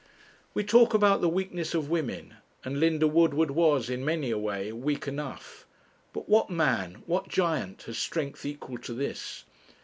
We talk about the weakness of women and Linda Woodward was, in many a way, weak enough but what man, what giant, has strength equal to this?